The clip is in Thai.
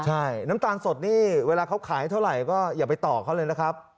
ใช่น้ำตาลสดนี่เวลาเขาขายเท่าไหร่ก็อย่าไปต่อเขาเลยนะครับ